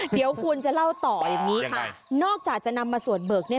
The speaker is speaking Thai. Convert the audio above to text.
เดี๋ยวคุณจะเล่าต่ออย่างนี้ค่ะนอกจากจะนำมาสวดเบิกเนี่ย